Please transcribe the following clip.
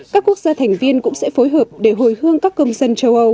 các quốc gia thành viên cũng sẽ phối hợp để hồi hương các công dân châu âu